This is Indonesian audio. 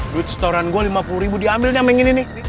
duit setoran gue lima puluh ribu diambil nyambing ini nih